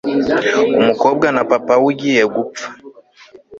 umukobwa na papa we ugiye gupfa